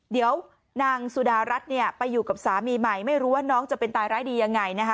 เดี๋ยวนางสุดารัฐไปอยู่กับสามีใหม่ไม่รู้ว่าน้องจะเป็นตายร้ายดียังไงนะคะ